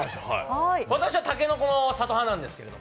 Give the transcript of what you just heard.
私はたけのこの里なんですけど。